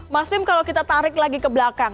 mas tim kalau kita tarik lagi ke belakang